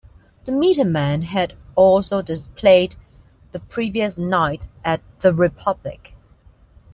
The Metermen had also played the previous night at The Republic.